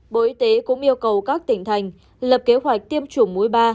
bộ y tế cũng yêu cầu các tỉnh thành lập kế hoạch tiêm chủng mũi ba